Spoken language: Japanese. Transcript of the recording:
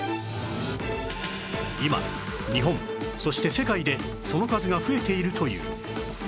今日本そして世界でその数が増えているという